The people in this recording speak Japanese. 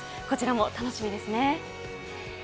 こちらも楽しみですね。